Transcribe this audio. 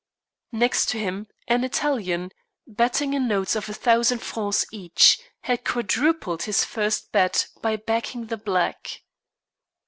Next to him, an Italian, betting in notes of a thousand francs each, had quadrupled his first bet by backing the black.